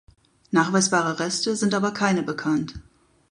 Nachweisbare Reste sind aber keine bekannt.